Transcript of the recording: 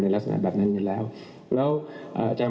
ตอนแรกที่แบบ๓ปอะไรอย่างเนี่ย